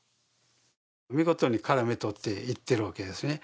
見事に絡め取っていってるわけですね。